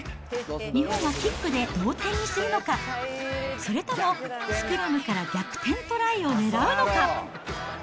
日本はキックで同点にするのか、それともスクラムから逆転トライを狙うのか。